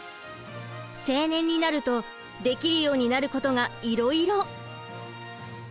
青年になるとできるようになることがいろいろ！